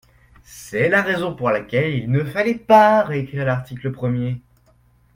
C’est la raison pour laquelle il ne fallait pas réécrire l’article premier.